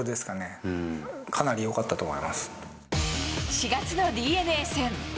４月のＤｅＮＡ戦。